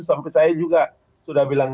itu sampai saya juga sudah bilang